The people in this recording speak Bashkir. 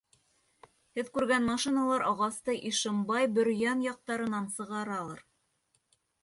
Һеҙ күргән машиналар ағасты Ишембай, Бөрйән яҡтарынан сығаралыр.